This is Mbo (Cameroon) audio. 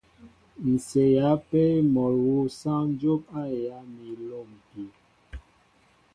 Ǹ seeya ápē mol awu sááŋ dyóp a heyá mi a lômpin.